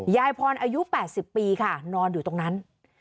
ยายพรอายุ๘๐ปีค่ะนอนอยู่ตรงนั้น